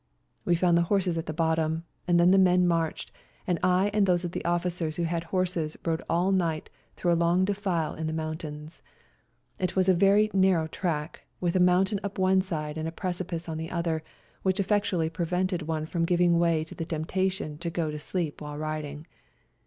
We found the horses at the bottom, and then the men marched, and I and those of the officers who had horses rode all night through a long defile in the mountains. It was a very narrow track, wath a moim tain up one side and a precipice on the other which effectually prevented one from giving way to the temptation to go to sleep while riding.